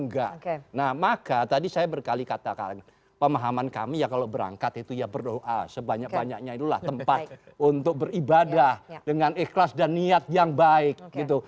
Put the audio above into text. nah maka tadi saya berkali katakan pemahaman kami ya kalau berangkat itu ya berdoa sebanyak banyaknya itulah tempat untuk beribadah dengan ikhlas dan niat yang baik gitu